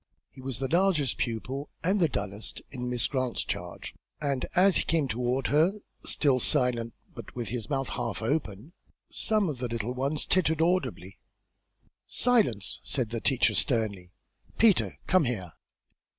He was the largest pupil, and the dullest, in Miss Grant's charge, and as he came toward her, still silent, but with his mouth half open, some of the little ones tittered audibly. "Silence!" said the teacher, sternly. "Peter, come here."